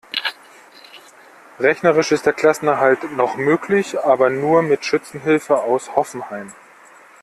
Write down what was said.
Rechnerisch ist der Klassenerhalt noch möglich, aber nur mit Schützenhilfe aus Hoffenheim.